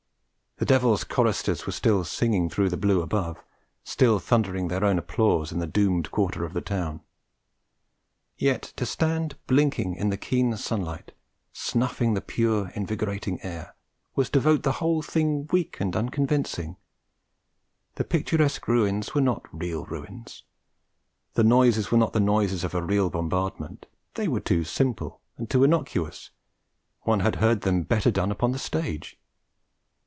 The devil's choristers were still singing through the blue above, still thundering their own applause in the doomed quarter of the town. Yet to stand blinking in the keen sunlight, snuffing the pure invigorating air, was to vote the whole thing weak and unconvincing. The picturesque ruins were not real ruins. The noises were not the noises of a real bombardment; they were too simple and too innocuous, one had heard them better done upon the stage.